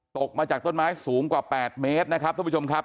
ตกมาจากต้นไม้สูงกว่า๘เมตรท่านผู้ชมครับ